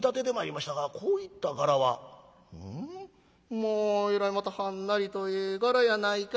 まあえらいまたはんなりとええ柄やないかいな。